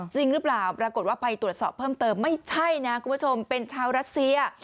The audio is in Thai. จริงหรือเปล่าปรากฏว่าไปตรวจสอบเพิ่มเติมไม่ใช่นะคุณผู้ชมเป็นชาวรัสเซีย